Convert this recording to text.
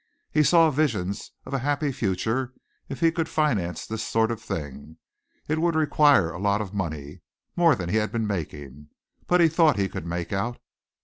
He saw visions of a happy future if he could finance this sort of thing. It would require a lot of money, more than he had been making, but he thought he could make out.